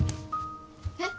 えっ？